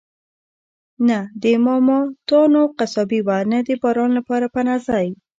نه د ماموتانو قصابي وه، نه د باران لپاره پناه ځای.